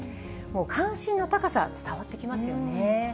関心の高さ、伝わってきますよね。